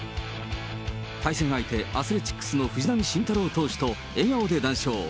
対戦相手、アスレチックスの藤浪晋太郎投手と笑顔で談笑。